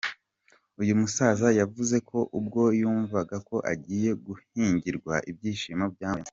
Uyu musaza yavuze ko ubwo yumvaga ko agiye guhingirwa ibyishimo byamurenze.